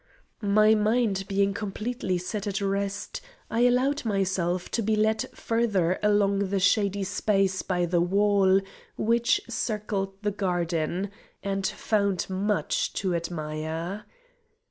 My mind being completely set at rest I allowed myself to be led further along the shady space by the wall which circled the garden, and found much to admire.